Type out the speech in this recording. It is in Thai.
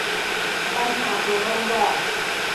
ปัญหาหัวนมบอด